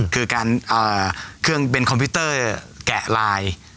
คือการเครื่องเป็นคอมพิวเตอร์แกะลาย